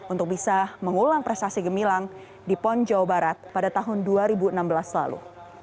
untuk bisa mengulang prestasi gemilang di pon jawa barat pada tahun dua ribu enam belas lalu